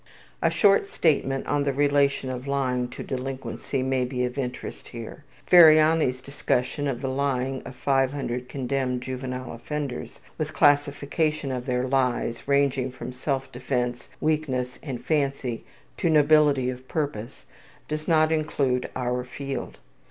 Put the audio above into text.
'' A short statement on the relation of lying to delinquency may be of interest here. Ferriani's discussion of the lying of 500 condemned juvenile offenders, with classification of their lies, ranging from self defense, weakness, and fancy, to nobility of purpose, does not include our field.